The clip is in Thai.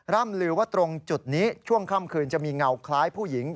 ร่ำลือว่าตรงจุดนี้ช่วงค่ำคืนจะมีเงาคล้ายผู้หญิง